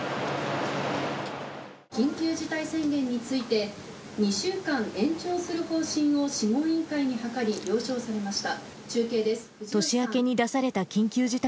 緊急事態宣言について、２週間延長する方針を諮問委員会に諮り了承されました。